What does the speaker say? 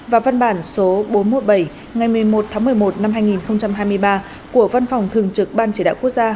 và văn bản số bốn trăm một mươi bảy ngày một mươi một tháng một mươi một năm hai nghìn hai mươi ba của văn phòng thường trực ban chỉ đạo quốc gia